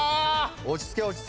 落ち着け落ち着け。